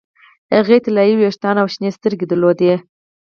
هغې طلايي ویښتان او شنې سترګې درلودې